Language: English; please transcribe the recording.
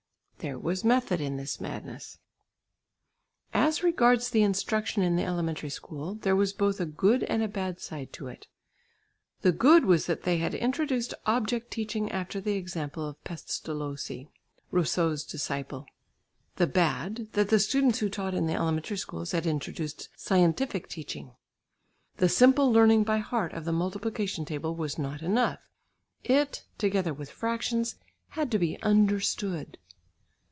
There was method in this madness. As regards the instruction in the elementary school, there was both a good and bad side to it; the good was that they had introduced object teaching after the example of Pestalozzi, Rousseau's disciple; the bad, that the students who taught in the elementary schools had introduced "scientific" teaching. The simple learning by heart of the multiplication table was not enough; it, together with fractions, had to be understood.